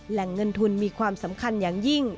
แหล่งเงินทุนมีความสำคัญอย่างยิ่ง